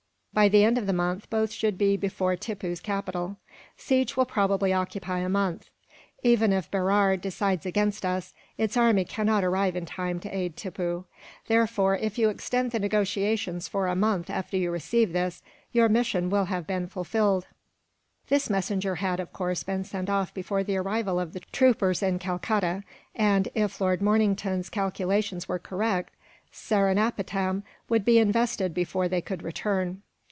By the end of the month, both should be before Tippoo's capital. Siege will probably occupy a month. "Even if Berar decides against us, its army cannot arrive in time to aid Tippoo. Therefore, if you can extend the negotiations for a month after you receive this, your mission will have been fulfilled." This messenger had, of course, been sent off before the arrival of the troopers in Calcutta and, if Lord Mornington's calculations were correct, Seringapatam would be invested before they could return.